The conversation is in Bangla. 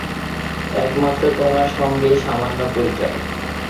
একমাত্র তোমার সঙ্গেই সামান্য পরিচয়।